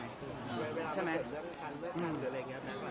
ใช่มั้ย